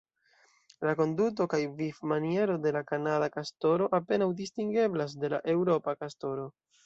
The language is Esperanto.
La konduto kaj vivmaniero de la kanada kastoro apenaŭ distingeblas de la eŭropa kastoro.